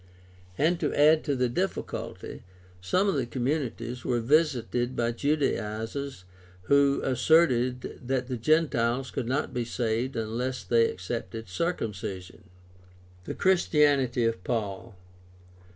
And to add to the difficulty, some of the communities were visited by Judaizers who asserted that the Gentiles could not be saved unless they accepted circumcision. The Christianity of Paul.